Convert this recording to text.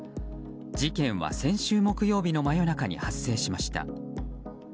事件は先週木曜日の真夜中に発生しました。